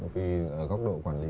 vì góc độ quản lý